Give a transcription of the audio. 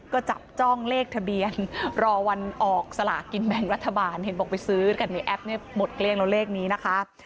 กินแบงก์รัฐบาลเห็นบอกไปซื้อกันมีแอปหมดเกลี้ยงแล้วเลขนี้นะคะ